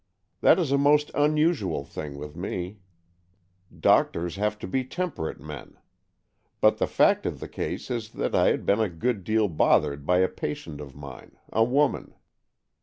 That is a most unusual thing with me. Doctors have to be temperate men. But the fact of the case is that I had been a good deal bothered by a patient of mine — a woman.